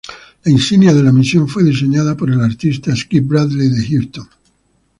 La insignia de la misión fue diseñada por el artista Skip Bradley de Houston.